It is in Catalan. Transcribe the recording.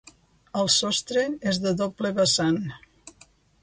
El sostre és de doble vessant.